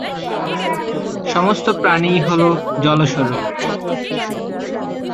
সমস্ত প্রাণী-ই হলো জলস্বরূপ।